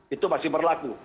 itu masih berlaku